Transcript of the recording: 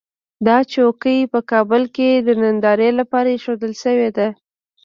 دا چوکۍ په کابل کې د نندارې لپاره اېښودل شوې ده.